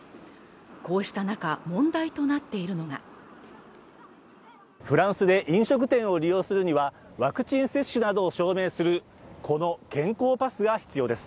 こうした中問題となっているのがフランスで飲食店を利用するにはワクチン接種などを証明するこの健康パスが必要です